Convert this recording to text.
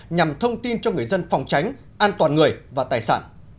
nhằm thông tin cho người dân phòng tránh an toàn người và tài sản